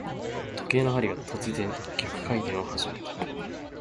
時計の針が、突然逆回転を始めた。